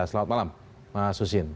selamat malam mas husin